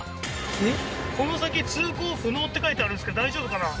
えっこの先通行不能って書いてあるんですけど大丈夫かな？